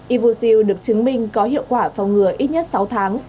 ivosil được chứng minh có hiệu quả phòng ngừa ít nhất sáu tháng